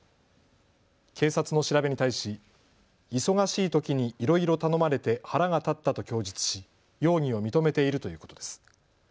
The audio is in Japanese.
警察の調べに対し忙しいときにいろいろ頼まれて腹が立ったと供述し容疑を認めているということです。